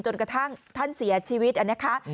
จนกระทั่งท่านเสียชีวิตอันเนี้ยคะ